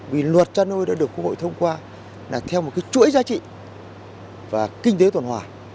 vì luật chăn nuôi đã được quốc hội thông qua là theo một chuỗi giá trị và kinh tế tổn hòa